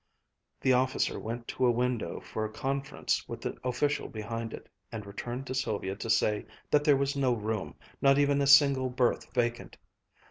The officer went to a window for a conference with the official behind it, and returned to Sylvia to say that there was no room, not even a single berth vacant.